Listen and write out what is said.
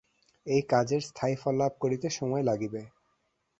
এই কাজের স্থায়ী ফললাভ করিতে সময় লাগিবে।